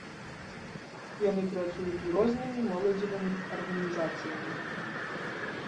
Яны працуюць з рознымі моладзевымі арганізацыямі.